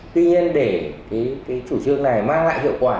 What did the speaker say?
tuy nhiên để cái chủ trương này mang lại hiệu quả